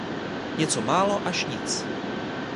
Něco málo až nic!